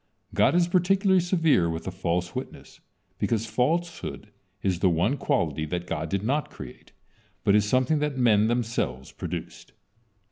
God is particularly severe with a false witness because falsehood is the one quality that God did not create, but is something that men themselves produces.